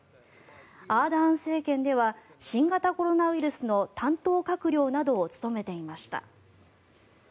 アーダーン政権では新型コロナウイルスの担当閣僚などを務めていました。